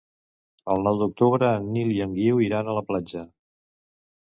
El nou d'octubre en Nil i en Guiu iran a la platja.